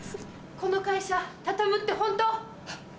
この会社畳むってホント？